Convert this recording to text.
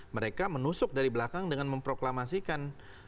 mereka menusuk dari belakang dengan memproklamasikan